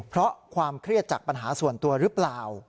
เพราะความเครียดจากปัญหาส่วนตัวหรือเปล่า